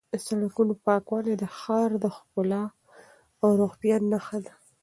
د سړکونو پاکوالی د ښار ښکلا او روغتیا نښه ده.